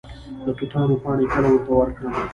د توتانو پاڼې کله ورته ورکړم؟